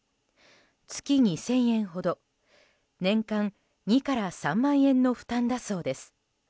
月２０００円ほど年間２から３万円の負担だそうです。